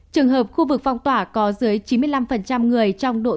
trường hợp khu vực phong tỏa có dưới chín mươi năm người trong độ